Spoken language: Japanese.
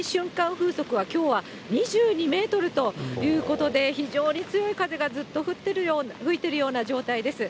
風速は、きょうは２２メートルということで、非常に強い風がずっと吹いているような状態です。